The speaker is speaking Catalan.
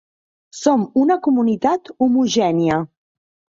Som una comunitat homogènia.